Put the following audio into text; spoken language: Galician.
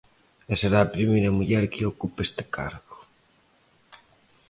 E será a primeira muller que ocupe este cargo.